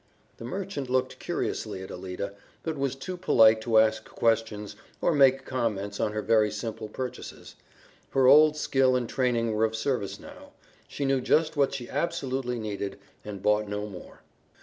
The merchant looked curiously at Alida, but was too polite to ask questions or make comments on her very simple purchases. Her old skill and training were of service now. She knew just what she absolutely needed, and bought no more.